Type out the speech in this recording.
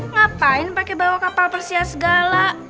ngapain pakai bawa kapal persia segala